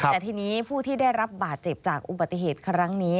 แต่ทีนี้ผู้ที่ได้รับบาดเจ็บจากอุบัติเหตุครั้งนี้